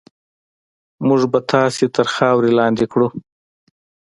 موږ به تاسې تر خاورو لاندې کړو.